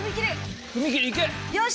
よし！